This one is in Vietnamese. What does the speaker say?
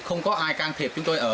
không có ai can thiệp chúng tôi ở